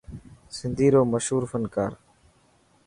سنڌي رو مشهور فنڪار.